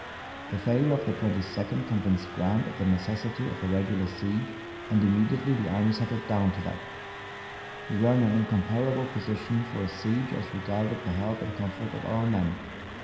The failure of the 22d convinced Grant of the necessity of a regular siege, and immediately the army settled down to that. We were in an incomparable position for a siege as regarded the health and comfort of our men.